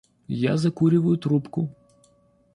Я закуриваю трубку.